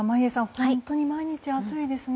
本当に毎日暑いですね。